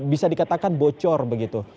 bisa dikatakan bocor begitu